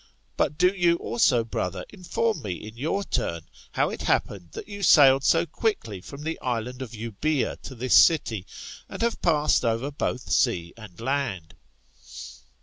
But do you also, brother, inform me in your turn, how it happened that you sailed so quickly from the island Euboea to this city, and have passed over both sea and land.